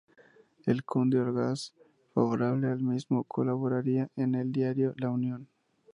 El conde de Orgaz, favorable al mismo, colaboraría en el diario "La Unión".